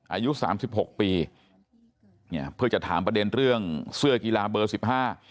อายุสามสิบหกปีเนี่ยเพื่อจะถามประเด็นเรื่องเสื้อกีฬาเบอร์สิบห้า